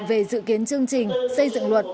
về dự kiến chương trình xây dựng luật